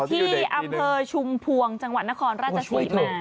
อ้าวอยู่ที่อำเภอชุมพวงจังหวัดนครราชศิริมาก